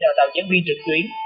đào tạo giám viên trực tuyến